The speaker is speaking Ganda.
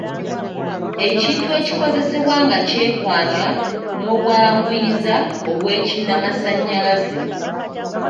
Ekintu ekikozesebwa nga kyekwanya n’obwanguyiza obw’ekinnamasannyalaze.